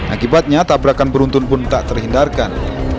akibatnya tabrakan beruntun pun tak terhindarkan